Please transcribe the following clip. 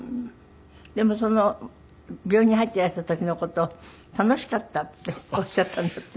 でも病院に入っていらした時の事を楽しかったっておっしゃったんだって？